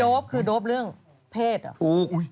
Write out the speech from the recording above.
โดบคือโดบเรื่องเพศหรอ